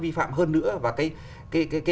vi phạm hơn nữa và cái